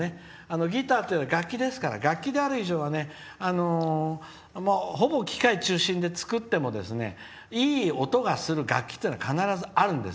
ギターっていうのは楽器ですから楽器である以上はほぼ、機械中心で作ってもいい音がする楽器というのは必ずあるんです。